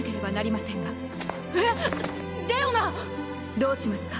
どうしますか？